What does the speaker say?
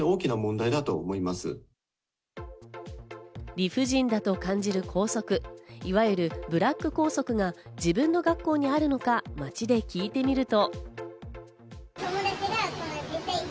理不尽だと感じる校則、いわゆるブラック校則が自分の学校にあるのか、街で聞いてみると。